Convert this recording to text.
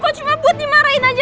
kau cuma buat dimarahin aja